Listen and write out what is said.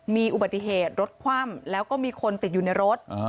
มีอุบัติเหตุรถคว่ำแล้วก็มีคนติดอยู่ในรถ